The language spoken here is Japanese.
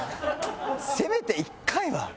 せめて１回は。